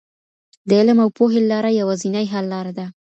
د علم او پوهې لاره یوازینۍ حل لاره ده.